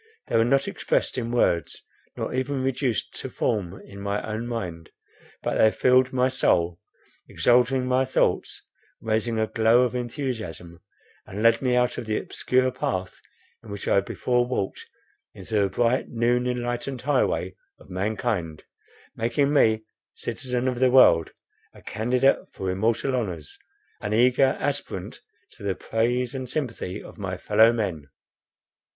They were not expressed in words, nor even reduced to form in my own mind; but they filled my soul, exalting my thoughts, raising a glow of enthusiasm, and led me out of the obscure path in which I before walked, into the bright noon enlightened highway of mankind, making me, citizen of the world, a candidate for immortal honors, an eager aspirant to the praise and sympathy of my fellow men.